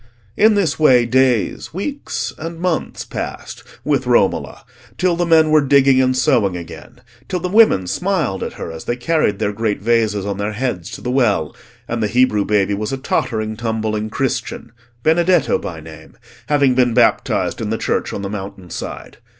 In this way days, weeks, and months passed with Romola till the men were digging and sowing again, till the women smiled at her as they carried their great vases on their heads to the well, and the Hebrew baby was a tottering tumbling Christian, Benedetto by name, having been baptised in the church on the mountain side.